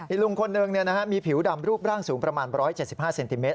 ลุงคนหนึ่งมีผิวดำรูปร่างสูงประมาณ๑๗๕เซนติเมต